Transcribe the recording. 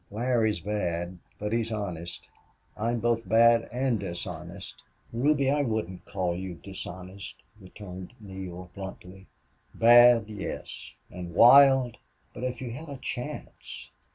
"Larry is bad, but he's honest. I'm both bad and dishonest." "Ruby, I wouldn't call you dishonest," returned Neale, bluntly. "Bad yes. And wild! But if you had a chance?"